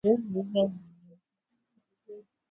Mfungwa alipotoka jela alibadilika